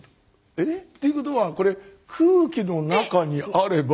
えっ？っていうことはこれ空気の中にあれば。